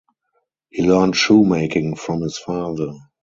He learned shoemaking from his father.